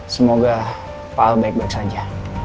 semoga pak al baik baik saja